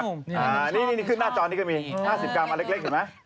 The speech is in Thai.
จะขึ้นหน้าจอนี่ก็มี๕๐กรัมอันนี้เล็กใช่ไหม